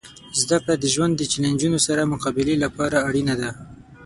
زدهکړه د ژوند د چیلنجونو سره مقابلې لپاره اړینه ده.